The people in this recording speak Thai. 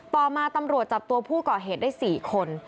ต่อมาตำรวจจับตัวผู้ก่อเหตุได้๔คน